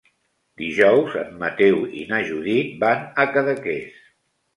Dijous en Mateu i na Judit van a Cadaqués.